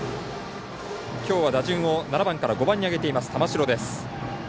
きょうは打順を７番から５番に上げています玉城です。